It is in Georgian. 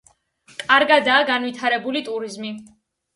კარგადაა განვითარებული ტურიზმი.